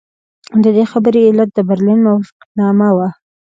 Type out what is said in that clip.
د دې خبرې علت د برلین موافقتنامه وه.